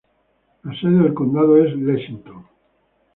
La sede del condado es Lexington.